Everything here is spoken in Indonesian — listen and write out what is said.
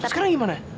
terus sekarang gimana